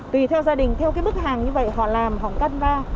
tùy theo gia đình theo bức hàng như vậy họ làm họ cân va